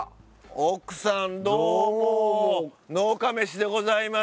奥さんどうも「農家メシ！」でございます。